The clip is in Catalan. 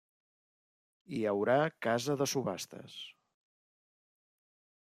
Hi haurà casa de subhastes.